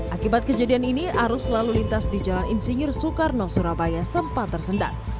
akibat kejadian ini arus lalu lintas di jalan insinyur soekarno surabaya sempat tersendat